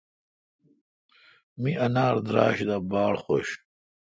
می انار دراݭ دا بارخوش نے۔